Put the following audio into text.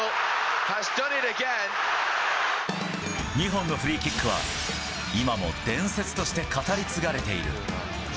２本のフリーキックは、今も伝説として語り継がれている。